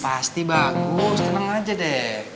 pasti bagus seneng aja deh